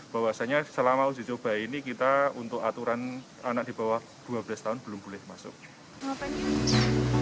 walau dengan sejumlah aturan ketat pengunjung tetap merasa senang dengan dibukanya kembali